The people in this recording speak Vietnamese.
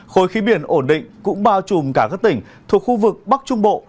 khối khí biển ổn định cũng bao trùm cả các tỉnh thuộc khu vực bắc trung bộ